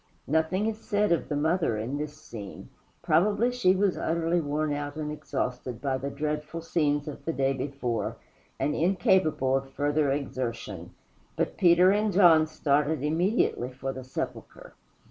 Nothing is said of the Mother in this scene. Probably she was utterly worn out and exhausted by the dreadful scenes of the day before, and incapable of further exertion. But Peter and John started immediately for the sepulchre.